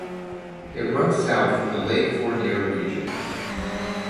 It runs south from the Lake Fournier region.